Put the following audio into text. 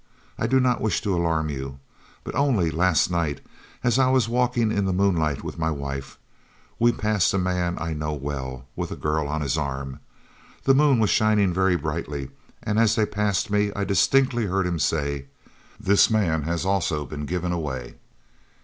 I do not wish to alarm you, but only last night, as I was walking in the moonlight with my wife, we passed a man I know well, with a girl on his arm. The moon was shining very brightly, and, as they passed me, I distinctly heard him say, 'This man has also been given away.'"